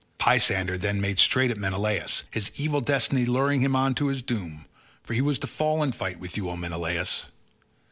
Pisander then made straight at Menelaus—his evil destiny luring him on to his doom, for he was to fall in fight with you, O Menelaus.